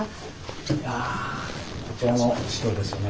いやこちらの資料ですよね。